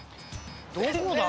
どこだ？